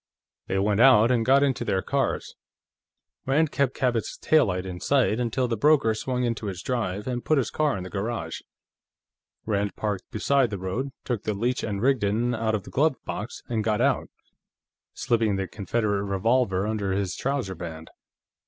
They went out and got into their cars. Rand kept Cabot's taillight in sight until the broker swung into his drive and put his car in the garage. Rand parked beside the road, took the Leech & Rigdon out of the glove box, and got out, slipping the Confederate revolver under his trouser band.